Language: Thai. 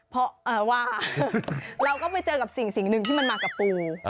เพราะว่าเราก็ไปเจอกับสิ่งหนึ่งที่มันมากับปู